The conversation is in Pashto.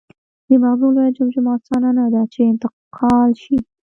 د مغزو لویه جمجمه اسانه نهده، چې انتقال شي.